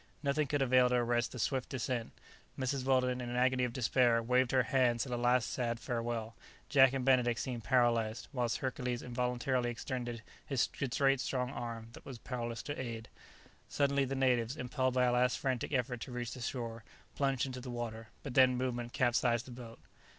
Nothing could avail to arrest the swift descent. Mrs Weldon in an agony of despair waved her hands in a last sad farewell, Jack and Benedict seemed paralyzed, whilst Hercules involuntarily extended his great strong arm that was powerless to aid. Suddenly the natives, impelled by a last frantic effort to reach the shore, plunged into the water, but then movement capsized the boat.